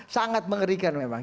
sangat mengerikan memang